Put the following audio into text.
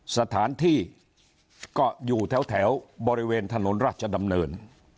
สถานที่ก็อยู่แถวบริเวณถนนราชดำเนิน